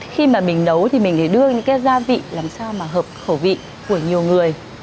khi mà mình nấu thì mình phải đưa những cái gia vị làm sao mà hợp khẩu vị của nhiều người